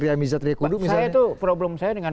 ria mizat ria kudu misalnya saya tuh problem saya dengan